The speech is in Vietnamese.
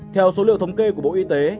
theo số liệu thống kê của bộ y tế